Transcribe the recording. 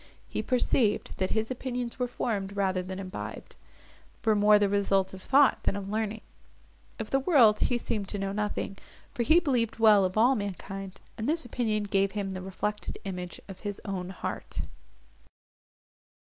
He perceived, that his opinions were formed, rather than imbibed; were more the result of thought, than of learning. Of the world he seemed to know nothing; for he believed well of all mankind, and this opinion gave him the reflected image of his own heart.